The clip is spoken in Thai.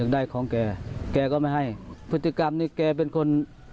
ได้ของแกแกก็ไม่ให้พฤติกรรมนี้แกเป็นคน